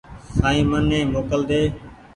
سائين مني موڪل ۮي